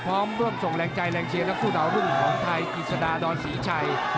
พร้อมร่วมส่งแรงใจแรงเชียร์นักสู้ดาวรุ่งของไทยกิจสดาดอนศรีชัย